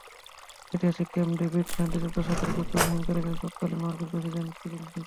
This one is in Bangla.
ঐতিহাসিক ক্যাম্প ডেভিড শান্তিচুক্তি স্বাক্ষরে গুরুত্বপূর্ণ ভূমিকা রেখেছিলেন তৎকালীন মার্কিন প্রেসিডেন্ট ক্লিনটন।